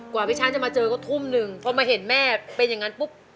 พี่ช้างจะมาเจอก็ทุ่มหนึ่งพอมาเห็นแม่เป็นอย่างนั้นปุ๊บ